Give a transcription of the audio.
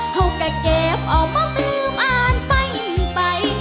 เฮ้าก็เก็บเอามาไม่ลืมอ่านไป